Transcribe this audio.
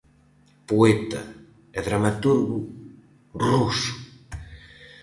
Poeta e dramaturgo ruso.